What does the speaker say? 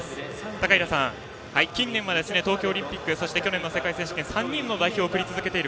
高平さん、近年は東京オリンピック去年の世界選手権３人の代表を送り続けている